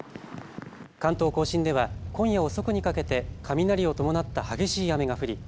関東甲信では今夜遅くにかけて雷を伴った激しい雨が降り